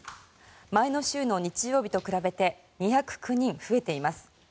前の週の日曜日と比べて２０９人増えています。